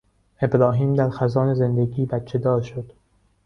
ابراهیم در خزان زندگی بچهدار شد.